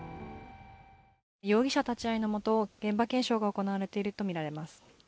容疑者立ち会いのもと、現場検証が行われているとみられます。